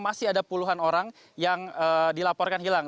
masih ada puluhan orang yang dilaporkan hilang